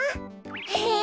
へえ。